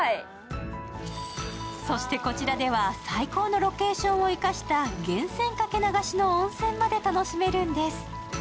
そしてこちらでは最高のロケーションを生かした源泉かけ流しの温泉まで楽しめるんです。